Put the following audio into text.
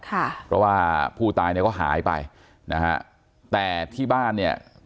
เพราะว่าผู้ตายเนี่ยก็หายไปนะฮะแต่ที่บ้านเนี่ย